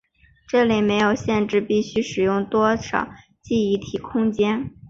这里没有限制必须使用多少记忆体空间。